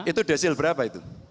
itu desil berapa itu